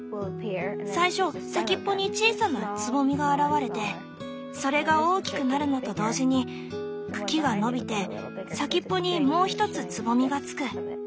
最初先っぽに小さな蕾が現れてそれが大きくなるのと同時に茎が伸びて先っぽにもう一つ蕾がつく。